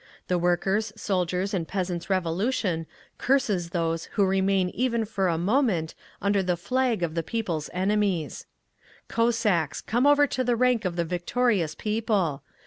The Workers', Soldiers' and Peasants' Revolution curses those who remain even for a moment under the flag of the People's enemies…. "Cossacks! Come over to the rank of the victorious People!